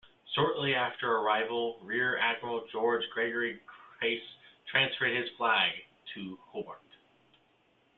Shortly after arrival, Rear Admiral John Gregory Crace transferred his flag from to "Hobart".